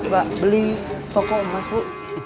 pak beli toko emas bu